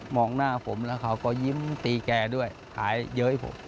หน้าผมแล้วเขาก็ยิ้มตีแกด้วยหายเย้ยผม